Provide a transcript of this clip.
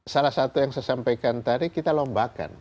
salah satu yang saya sampaikan tadi kita lombakan